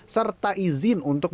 serta izin untuk mengerjakan trotoar